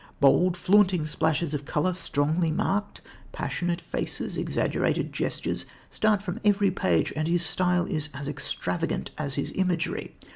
Bold, flaunting splashes of colour, strongly marked, passionate faces, exaggerated gestures start from every page, and his style is as extravagant as his imagery.